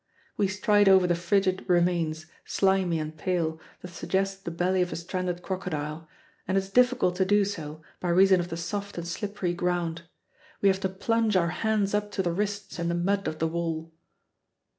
We stride over the frigid remains, slimy and pale, that suggest the belly of a stranded crocodile; and it is difficult to do so, by reason of the soft and slippery ground. We have to plunge our hands up to the wrists in the mud of the wall.